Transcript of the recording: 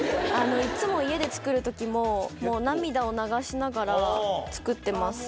いっつも家で作る時もう涙を流しながら作ってます。